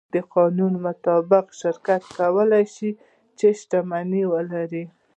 د قانون مطابق شرکت کولی شي، چې شتمنۍ ولري.